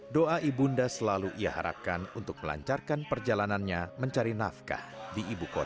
doa ibunda selalu ia harapkan untuk melancarkan perjalanannya mencari nafkah di ibu kota